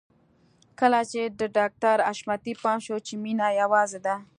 کله چې د ډاکټر حشمتي پام شو چې مينه يوازې ده.